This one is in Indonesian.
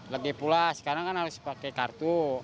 lagi pula sekarang kan harus pakai kartu